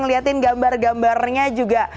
ngeliatin gambar gambarnya juga